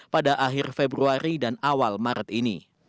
pada akhir februari dan awal maret ini